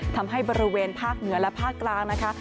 ทำให้บริเวณภาคเหนือและภาคกลางนะคะ